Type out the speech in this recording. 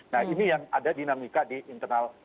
nah ini yang ada dinamika di internal